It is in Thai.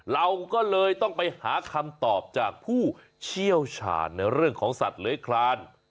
เราก็เลยต้องไปหาคำตอบจากผู้เชี่ยวชาญในเรื่องของสัตว์เหลือยคลาน